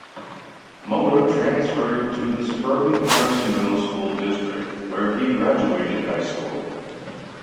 Muller transferred to the suburban Harrisonville school district, where he graduated high school.